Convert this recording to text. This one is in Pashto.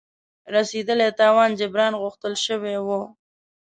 رسېدلي تاوان جبران غوښتل شوی وو.